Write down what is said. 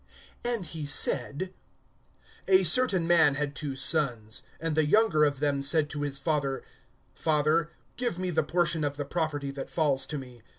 (11)And he said: A certain man had two sons. (12)And the younger of them said to his father: Father, give me the portion of the property that falls to me.